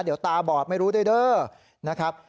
เดี๋ยวตาบอดไม่รู้เด้อนะครับ